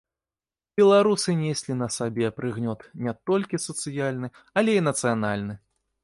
Беларусы неслі на сабе прыгнёт не толькі сацыяльны, але і нацыянальны.